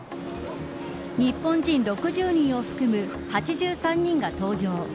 日本人６０人を含む８３人が搭乗。